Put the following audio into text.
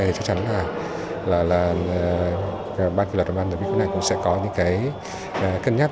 thì chắc chắn là ban câu lạc bộ hà nội việt nam cũng sẽ có những cân nhắc